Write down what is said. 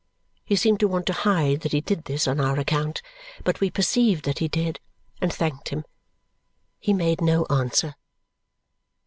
He seemed to want to hide that he did this on our account, but we perceived that he did, and thanked him. He made no answer.